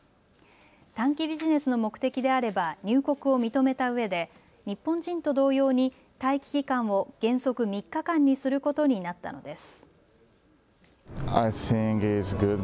短期ビジネスの目的であれば入国を認めたうえで日本人と同様に待機期間を原則３日間にすることになったのです。